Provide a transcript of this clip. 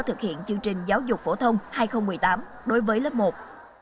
thực hiện chương trình giáo dục phổ thông hai nghìn một mươi tám đối với lớp một